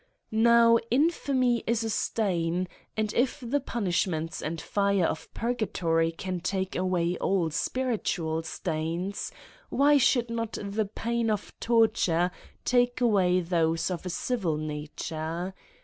Now infamy is a stain, and if the punishments and fire of purgatory can take away all spiritual stains, why should not the pain of torture take away those of a civil nature